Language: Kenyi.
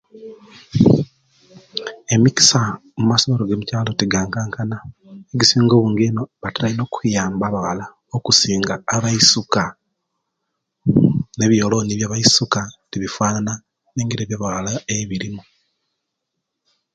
Emikisa omumasomero gamukyalo tegankankana egisinga obungi einu batira einu okuyamba abawala okusinga abaisuka nebyolooni byabaisuka tebifafana ne'ngeri ebya'bawala eyibirimu.